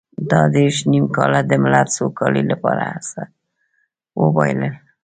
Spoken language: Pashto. تا دېرش نيم کاله د ملت سوکالۍ لپاره هر څه وبایلل.